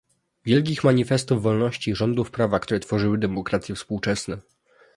Wielkich manifestów wolności i rządów prawa, które tworzyły demokracje współczesne